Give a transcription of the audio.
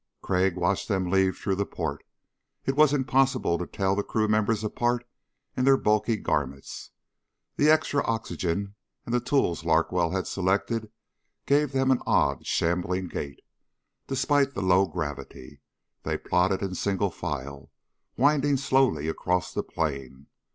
Crag watched them leave through the port. It was impossible to tell the crew members apart in their bulky garments. The extra oxygen and the tools Larkwell had selected gave them an odd shambling gait, despite the low gravity. They plodded in single file, winding slowly across the plain.